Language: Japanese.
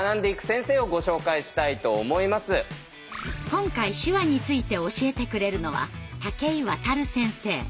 今回手話について教えてくれるのは武居渡先生。